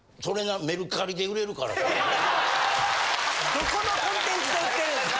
どこのコンテンツで売ってるんですか。